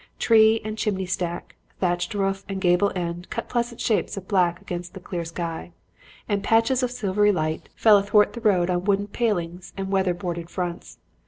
Tree and chimney stack, thatched roof and gable end cut pleasant shapes of black against the clear sky, and patches of silvery light fell athwart the road on wooden palings and weather boarded fronts.